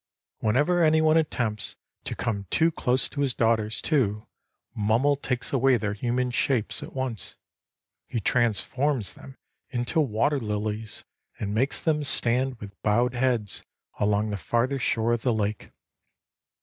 Whenever anyone attempts to come too close to his daughters, too, Mummel takes away their human shapes at once. He transforms them into water lilies, and makes them stand with bowed heads along the farther shore of the lake.